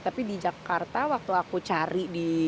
tapi di jakarta waktu aku cari di